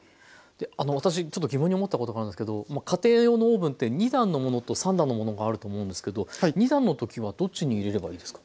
私ちょっと疑問に思ったことがあるんですけど家庭用のオーブンって２段のものと３段のものがあると思うんですけど２段のときはどっちに入れればいいですか？